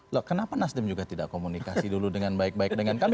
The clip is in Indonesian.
loh kenapa nasdem juga tidak komunikasi dulu dengan baik baik dengan kami